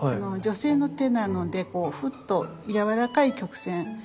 女性の手なのでふっとやわらかい曲線。